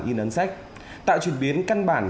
in ấn sách tạo chuyển biến căn bản